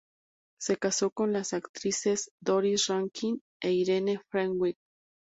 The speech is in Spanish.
Se casó con las actrices Doris Rankin e Irene Fenwick.